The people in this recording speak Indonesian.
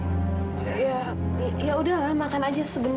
jadi aku mau temenin dia belajar supaya nanti kuisnya lanjut